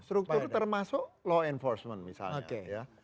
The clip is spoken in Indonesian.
struktur termasuk law enforcement misalnya